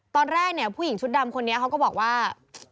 ตอนแรกเนี่ยผู้หญิงชุดดำคนนี้เขาก็บอกว่า